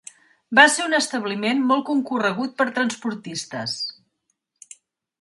Va ser un establiment molt concorregut per transportistes.